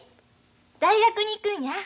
大学に行くんや。